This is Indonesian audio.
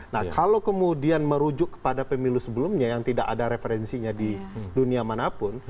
nah kalau kemudian merujuk kepada pemilu sebelumnya yang tidak ada referensinya di dunia manapun